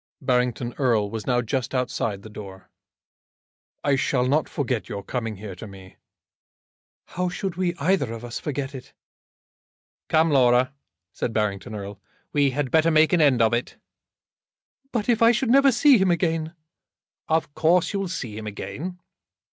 Barrington Erle was now just outside the door. "I shall not forget your coming here to me." "How should we, either of us, forget it?" "Come, Laura," said Barrington Erle, "we had better make an end of it." "But if I should never see him again!" "Of course you will see him again."